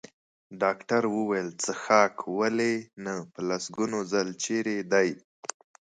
ډاکټر وویل: څښاک؟ ولې نه، په لسګونو ځل، چېرې دی؟